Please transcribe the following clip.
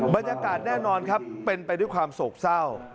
บรรยากาศแน่นอนครับเป็นไปด้วยความโศกเศร้า